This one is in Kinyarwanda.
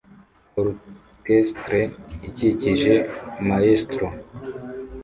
Orchestre ikikije maestro